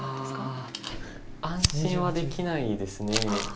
あ安心はできないです。